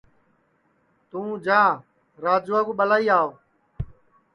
توں جا راجوا کُو ٻلائی آو